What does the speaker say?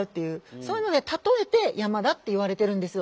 そういうので例えて山だっていわれてるんですよ。